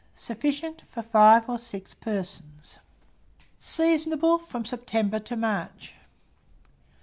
Sufficient for 5 or 6 persons. Seasonable from September to March.